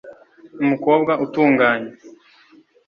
umukobwa utunganye